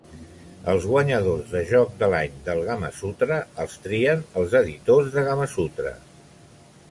Els guanyadors de Joc de l'Any del Gamasutra els trien els editors de Gamasutra.